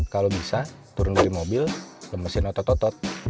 kalau bisa turun dari mobil ke mesin otot otot